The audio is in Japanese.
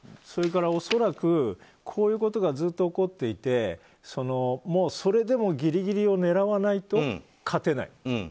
それから、恐らくこういうことがずっと起こっていてそれでもギリギリを狙わないと勝てない。